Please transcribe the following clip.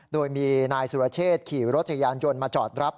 โดยมีนายสุรเชษขี่รถจักรยานยนต์มาจอดรับ